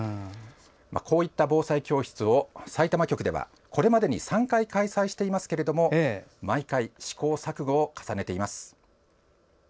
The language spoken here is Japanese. こうした防災教室をさいたま局ではこれまでに３回開催していますけれども毎回、試行錯誤を重ねています。